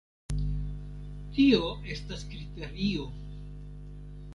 Tio estas kriterio!